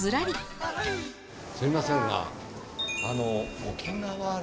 すいませんが。